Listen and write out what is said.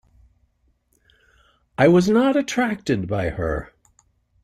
I was not attracted by her.